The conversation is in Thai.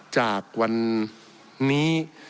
จากวันนี้